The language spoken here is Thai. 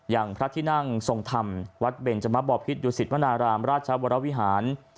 อย่างพระที่นั่งทรงธรรมวัดเบนจมะบอพิษดุสิตวนารามราชวรวิหาร